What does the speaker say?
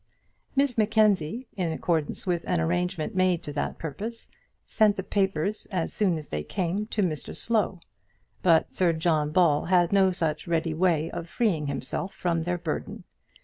Miss Mackenzie, in accordance with an arrangement made to that purpose, sent the papers as soon as they came to Mr Slow, but Sir John Ball had no such ready way of freeing himself from their burden.